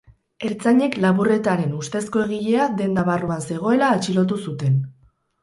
Ertzainek lapurretaren ustezko egilea denda barruan zegoela atxilotu zuten.